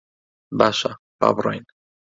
باشە، با بڕۆین.